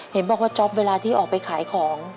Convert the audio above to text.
เห็นบอกว่าจ๊อปเวลาที่ออกไปขายของ